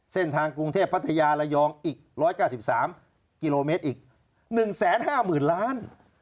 เส้นทางกรุงเทพพัทยาระยองอีก๑๙๓กิโลเมตรอีก๑๕๐๐๐ล้าน